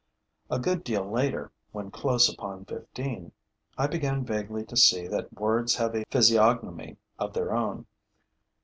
A good deal later, when close upon fifteen, I began vaguely to see that words have a physiognomy of their own.